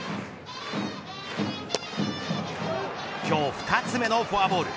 今日２つ目のフォアボール。